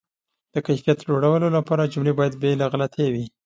د کیفیت لوړولو لپاره، جملې باید بې له غلطۍ وي.